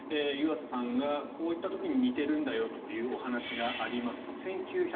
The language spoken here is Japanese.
湯浅さんがこう言ったときに似ているんだというお話があります。